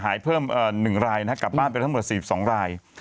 หายเพิ่ม๑รายกลับบ้านเป็นทั้งหมด๔๒ราย